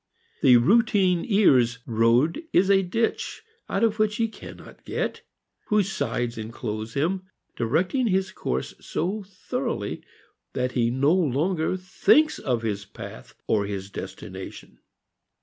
The routineer's road is a ditch out of which he cannot get, whose sides enclose him, directing his course so thoroughly that he no longer thinks of his path or his destination.